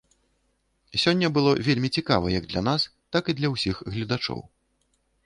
Сёння было вельмі цікава як для нас, так і для ўсіх гледачоў.